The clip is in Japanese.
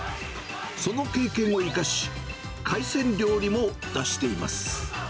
その経験を生かし、海鮮料理も出しています。